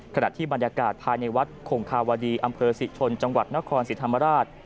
ขณะที่บรรยากาศภายในวัดคงคาวดีอำเภอศรีชนจังหวัดนครศรีธรรมราช